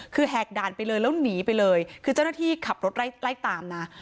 คือแหกด่านไปเลยแล้วหนีไปเลยคือเจ้าหน้าที่ขับรถไล่ตามนะ